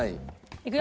いくよ！